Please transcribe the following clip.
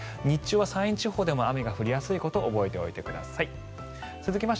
日中は山陰地方でも雨が降りやすいこと覚えておいてください。